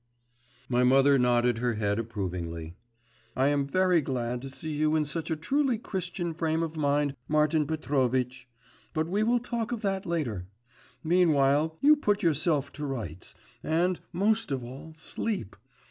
My mother nodded her head approvingly. 'I am very glad to see you in such a truly Christian frame of mind, Martin Petrovitch; but we will talk of that later. Meanwhile, you put yourself to rights, and, most of all, sleep.